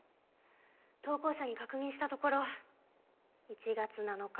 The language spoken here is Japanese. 投稿者に確認したところ１月７日